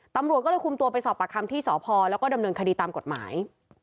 ตำรวจก็เลยคุมตัวไปสอบปากคำที่สพแล้วก็ดำเนินคดีตามกฎหมาย